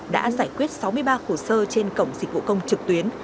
đã giải quyết sáu mươi ba hồ sơ trên cổng dịch vụ công trực tuyến